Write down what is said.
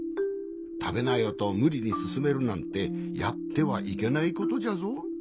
「たべなよ」とむりにすすめるなんてやってはいけないことじゃぞ。